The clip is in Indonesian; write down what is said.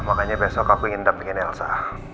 makanya besok aku ingin dampingin elsa